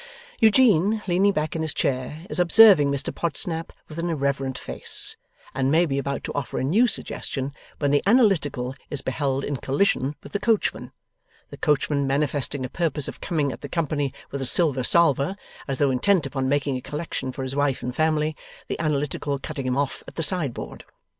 Eugene, leaning back in his chair, is observing Mr Podsnap with an irreverent face, and may be about to offer a new suggestion, when the Analytical is beheld in collision with the Coachman; the Coachman manifesting a purpose of coming at the company with a silver salver, as though intent upon making a collection for his wife and family; the Analytical cutting him off at the sideboard.